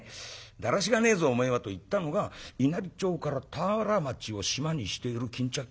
『だらしがねえぞおめえは』と言ったのが稲荷町から田原町をシマにしている巾着切りなんでござんすよ。